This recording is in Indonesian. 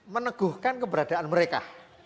meneguhkan keberadaan mereka